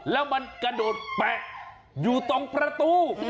แล้วมันกระโดดแปะอยู่ตรงประตู